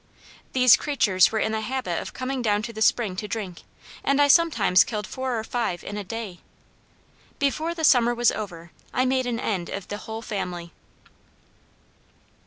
These creatures were in the habit of coming down to the spring to drink, and I sometimes killed four or five in a day. Before the summer was over I made an end of the whole family."